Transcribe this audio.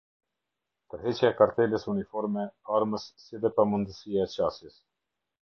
Tërheqja e kartelës, uniformës, armës, si dhe pamundësia e qasjes.